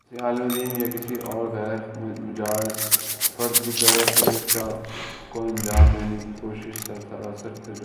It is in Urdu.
کسی عالمِ دین یا کسی اور غیر مجاز فرد کی طرف سے اس کام کو انجام دینے کی کوشش سراسر تجاوز ہے